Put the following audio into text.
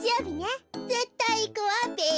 ぜったいいくわべ。